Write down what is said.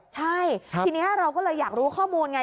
ใช่ทีนี้เราก็เลยอยากรู้ข้อมูลไง